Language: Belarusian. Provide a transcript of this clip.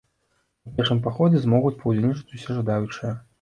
У пешым паходзе змогуць паўдзельнічаць усе жадаючыя.